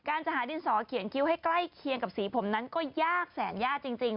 จะหาดินสอเขียนคิ้วให้ใกล้เคียงกับสีผมนั้นก็ยากแสนยากจริง